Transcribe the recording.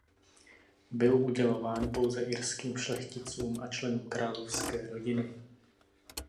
Byl udělován pouze irským šlechticům a členům královské rodiny.